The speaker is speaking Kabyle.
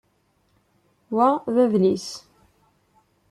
Wa d adlis.